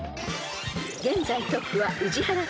［現在トップは宇治原ペア］